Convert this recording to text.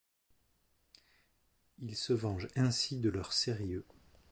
Ils se vengent ainsi de leur sérieux.